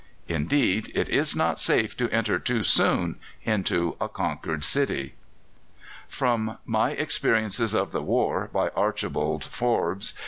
Indeed it is not safe to enter too soon into a conquered city. From "My Experiences of the War," by Archibald Forbes.